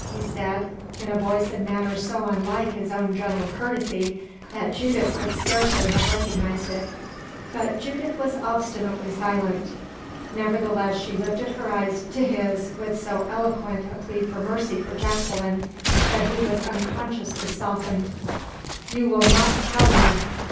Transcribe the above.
he said, in a voice and manner so unlike his own gentle courtesy, that Judith could scarcely have recognized it. But Judith was obstinately silent. Nevertheless, she lifted her eyes to his with so eloquent a plea for mercy for Jacqueline, that he was unconsciously softened. "You will not tell me!"